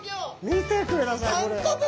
見てください。